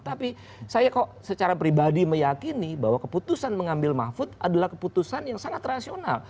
tapi saya kok secara pribadi meyakini bahwa keputusan mengambil mahfud adalah keputusan yang sangat rasional